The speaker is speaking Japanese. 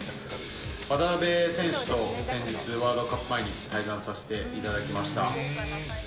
渡邊選手と先日、ワールドカップ前に対談させていただきました。